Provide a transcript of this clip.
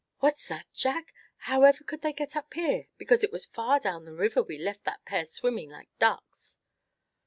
"What's that, Jack? However could they get up here; because it was far down the river we left that pair swimming like ducks?"